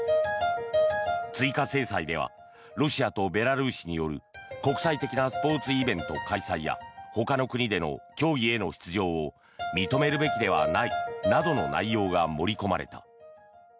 追加制裁ではロシアとベラルーシによる国際的なスポーツイベント開催やほかの国での競技への出場を認めるべきではないなどの内容が盛り込まれた。